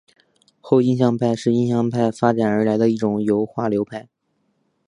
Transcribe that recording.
后印象派是印象派发展而来的一种油画流派。